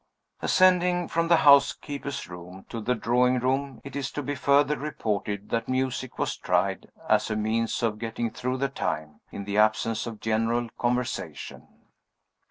Ascending from the housekeeper's room to the drawing room, it is to be further reported that music was tried, as a means of getting through the time, in the absence of general conversation.